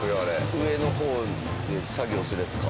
上の方で作業するやつか。